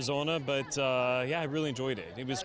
sangat bagus untuk berada di sini dengan semua orang